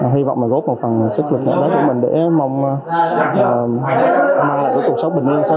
hy vọng mà góp một phần sức lực để mong mang lại cuộc sống bình yên sớm nhất cho nhân dân